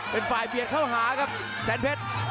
เป็นฝ่ายเบียดเข้าหาครับแสนเพชร